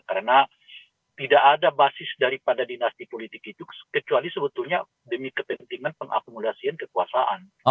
karena tidak ada basis daripada dinasti politik itu kecuali sebetulnya demi kepentingan pengakumulasian kekuasaan